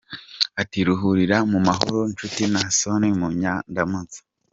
Ati “Ruhukira mu mahoro nshuti Naasson Munyandamutsa.